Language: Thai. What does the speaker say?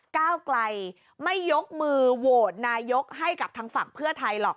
ก้าวไกลไม่ยกมือโหวตนายกให้กับทางฝั่งเพื่อไทยหรอก